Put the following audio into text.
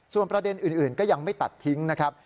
ส่วนประเด็นอื่นก็ยังไม่ตัดทิ้งนะครับ